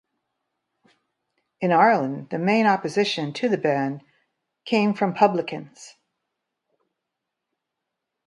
In Ireland, the main opposition to the ban came from publicans.